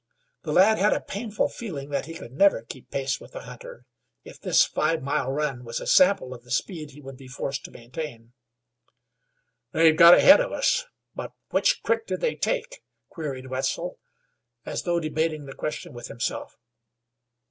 The lad had a painful feeling that he could never keep pace with the hunter, if this five mile run was a sample of the speed he would be forced to maintain. "They've got ahead of us, but which crick did they take?" queried Wetzel, as though debating the question with himself.